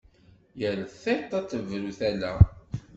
Yal tiṭ ad tebru i tala.